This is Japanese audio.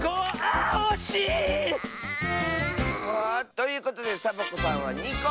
ということでサボ子さんは２こ！